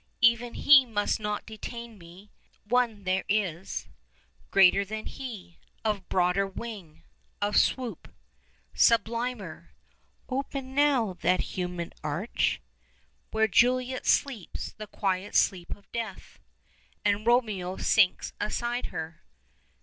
Even he must not detain me: one there is Greater than he, of broader wing, of swoop 20 Sublimer. Open now that humid arch Where Juliet sleeps the quiet sleep of death, And Romeo sinks aside her.